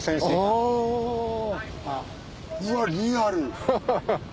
うわっリアル！